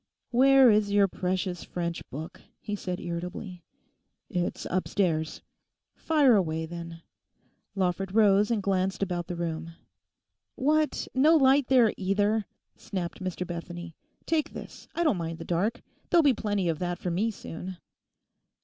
'Where is your precious French book?' he said irritably. 'It's upstairs.' 'Fire away, then!' Lawford rose and glanced about the room. 'What, no light there either?' snapped Mr Bethany. 'Take this; I don't mind the dark. There'll be plenty of that for me soon.